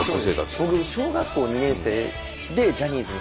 僕小学校２年生でジャニーズに入ったので。